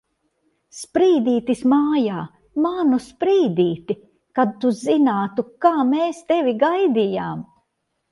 Sprīdītis mājā! Manu Sprīdīti! Kad tu zinātu, kā mēs tevi gaidījām!